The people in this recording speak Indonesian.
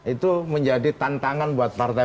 itu menjadi tantangan buat partai